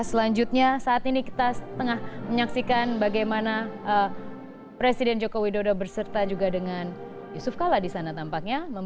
selanjutnya saat ini kita tengah menyaksikan bagaimana presiden joko widodo berserta juga dengan yusuf kala di sana tampaknya